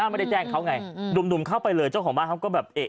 ไม่ได้แจ้งเขาไงหนุ่มเข้าไปเลยเจ้าของบ้านเขาก็แบบเอ๊ะ